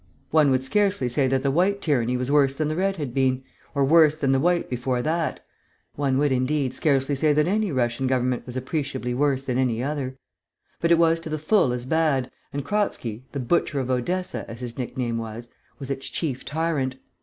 One would scarcely say that the White tyranny was worse than the Red had been, or worse than the White before that (one would indeed scarcely say that any Russian government was appreciably worse than any other); but it was to the full as bad, and Kratzky (the Butcher of Odessa, as his nickname was), was its chief tyrant.